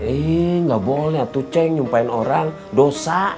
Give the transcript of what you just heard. eh gak boleh tuh ceng nyumpahin orang dosa